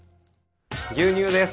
牛乳です。